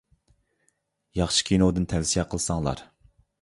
ياخشى كىنودىن تەۋسىيە قىلساڭلار.